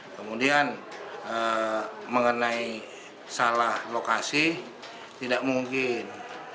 kemudian mengenai salah lokasi tidak mungkin